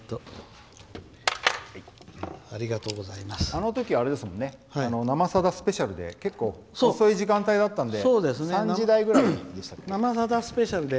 あのときは「生さだスペシャル」で遅い時間帯だったんで３時台ぐらいでしたっけ。